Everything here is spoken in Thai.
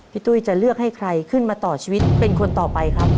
ตุ้ยจะเลือกให้ใครขึ้นมาต่อชีวิตเป็นคนต่อไปครับ